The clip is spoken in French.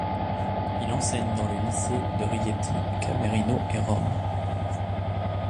Il enseigne dans les lycées de Rieti, Camerino et Rome.